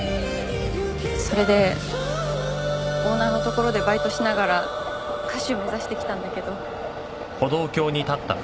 それでオーナーのところでバイトしながら歌手目指してきたんだけど。